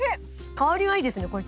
香りがいいですねこれ。